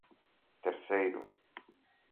terceiro